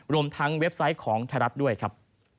รวมทั้งเว็บไซต์ของไทยรัฐด้วยครับ